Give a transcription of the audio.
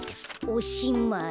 おしまい」。